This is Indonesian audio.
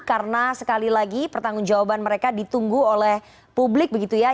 karena sekali lagi pertanggung jawaban mereka ditunggu oleh publik begitu ya